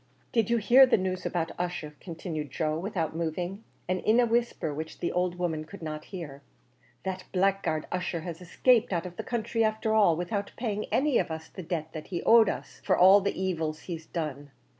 "Did you hear the news about Ussher?" continued Joe without moving, and in a whisper which the old woman could not hear. "That blackguard Ussher has escaped out of the counthry afther all, without paying any of us the debt that he owed us, for all the evils he's done.